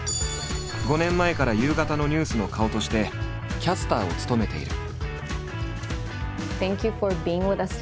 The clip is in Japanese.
５年前から夕方のニュースの顔としてキャスターを務めている。